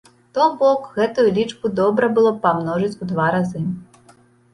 То бок, гэтую лічбу добра было б памножыць у два разы.